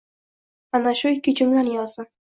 Ana shu ikki jumlani yozdim.